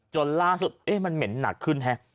จนล่าสุดเอ๊ะมันเหม็นหนักขึ้นฮะ